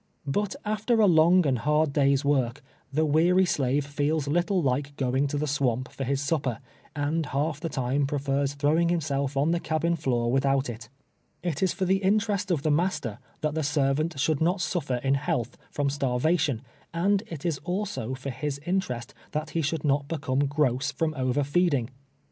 But after a long and hard day's W' ork, the weary slave feels little like going to the swamp for his sup})er, and half the time prefers throwing himself on the cabin floor with out it. It is for the interest of the master that the ser vant should not suffer in health from starvation, and it is also for his interest that he should not become gross from over feeding.